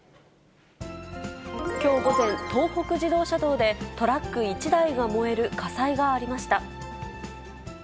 きょう午前、東北自動車道でトラック１台が燃える火災がありました。